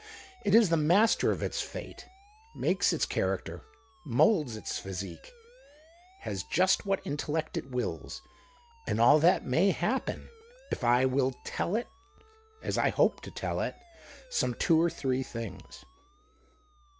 It is the master of its fate, makes its character, moulds its physique, has just what intellect it wills. And all that may happen if I will tell it, as I hope to tell it, some two or three things."